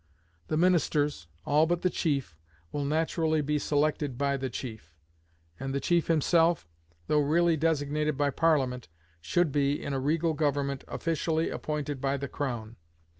The ministers, all but the chief, will naturally be selected by the chief; and the chief himself, though really designated by Parliament, should be, in a regal government, officially appointed by the crown.